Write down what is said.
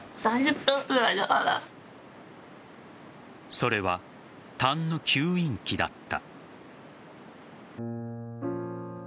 それは、痰の吸引器だった。